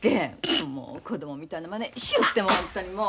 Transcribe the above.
もう子供みたいなまねしよって本当にもう！